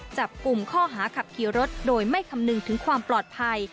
จับกลุ่มข้อหาขับขี่รถโดยไม่คำนึงถึงความปลอดภัย